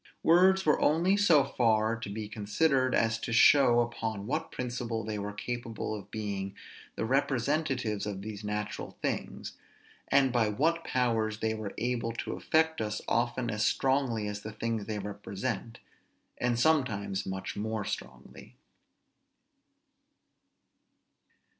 Words were only so far to be considered as to show upon what principle they were capable of being the representatives of these natural things, and by what powers they were able to affect us often as strongly as the things they represent, and sometimes much more strongly.